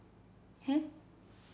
えっ？